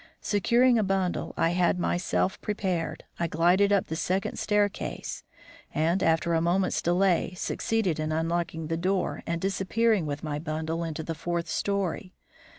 Securing a bundle I had myself prepared, I glided up the second staircase, and, after a moment's delay, succeeded in unlocking the door and disappearing with my bundle into the fourth story.